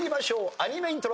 アニメイントロ。